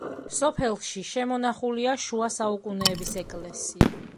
სოფელში შემონახულია შუა საუკუნეების ეკლესია.